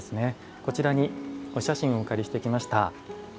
こちらに、お写真をお借りしてきました。